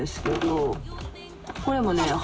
これもね